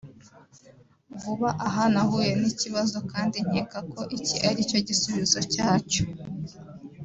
vuba aha nahuye n’ikibazo kandi nkeka ko iki aricyo gisubizo cyacyo